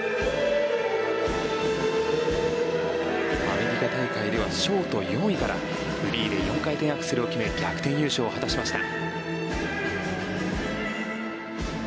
アメリカ大会ではショート４位からフリーで４回転アクセルを決め逆転優勝を果たしました。